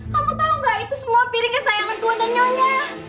kamu tahu mbak itu semua pirik kesayangan tuhan dan nyonya